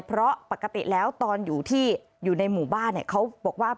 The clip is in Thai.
เพราะปกติแล้วตอนอยู่ที่อยู่ในหมู่บ้านเขาบอกว่า